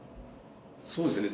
そうですね。